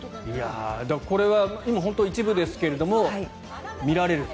これは今、本当一部ですが見られると。